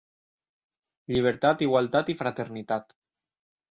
Llibertat, igualtat i fraternitat.